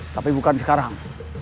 tapi bukan sekarang